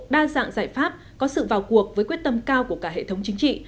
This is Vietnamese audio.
đa dạng giải pháp có sự vào cuộc với quyết tâm cao của cả hệ thống chính trị